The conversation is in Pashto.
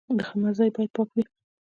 د خدمت ځای باید پاک وي.